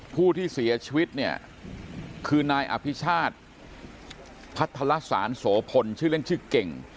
ผู้ที่เสียชีวิตเนี่ยคือนายอภิชาติพัทรสารโสพลชื่อเล่นชื่อเก่ง